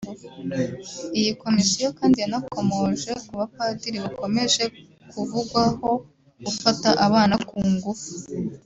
Iyi komisiyo kandi yanakomoje ku bapadiri bakomeje kuvugwaho gufata abana ku ngufu